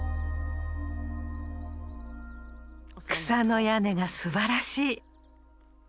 草の屋根がすばらしい！